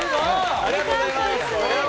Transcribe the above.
ありがとうございます。